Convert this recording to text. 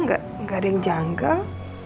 gak ada yang janggal